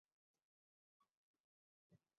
义乌市全境内用义乌话交流没有任何困难。